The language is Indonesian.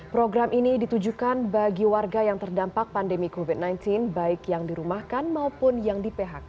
program ini ditujukan bagi warga yang terdampak pandemi covid sembilan belas baik yang dirumahkan maupun yang di phk